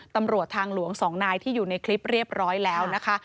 ตำรวจทางหลวง๒นายที่อยู่ในคลิปเรียบร้อยแล้วนะคะ